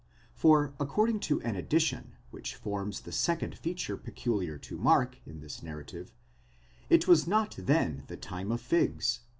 For according to an addition which forms the second feature peculiar to Mark in this narrative, it was not then the time of figs (v.